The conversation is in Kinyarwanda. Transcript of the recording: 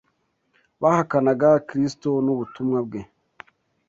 Bahakanaga Kristo n’ubutumwa bwe